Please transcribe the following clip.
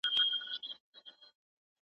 د شعر مانا له شاعر سره وي.